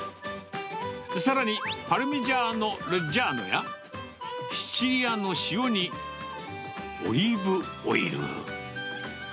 さらに、パルミジャーノ・レッジャーノや、シチリアの塩に、オリーブオイル。